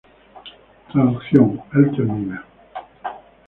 Traducción: "Él termina".